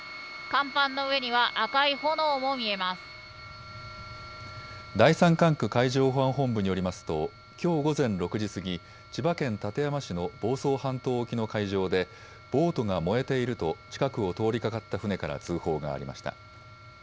甲板の上には、第３管区海上保安本部によりますと、きょう午前６時過ぎ、千葉県館山市の房総半島沖の海上で、ボートが燃えていると近くを通りかかった船から通報がありました。